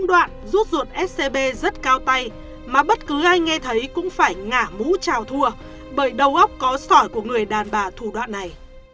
đồ sộ đó bà lan đã có những chiêu trò lũng đoạn rút ruột scb rất cao tay mà bất cứ ai nghe thấy cũng phải ngả mũ trào thua bởi đầu óc có sỏi của người đàn bà thủ đoạn này